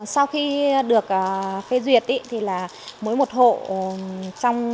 sau khi được thành lập sẽ được hỗ trợ về nhiều mặt để xây dựng mô hình phát triển tập trung như